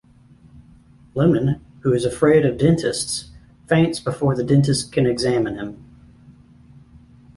Lemon, who is afraid of dentists, faints before the dentist can examine him.